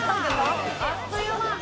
あっという間。